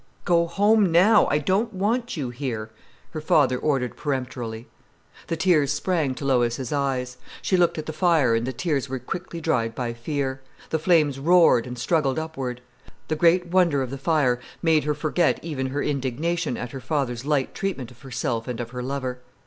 "Go home now—I don't want you here——" her father ordered peremptorily. The tears sprang to Lois' eyes. She looked at the fire and the tears were quickly dried by fear. The flames roared and struggled upward. The great wonder of the fire made her forget even her indignation at her father's light treatment of herself and of her lover.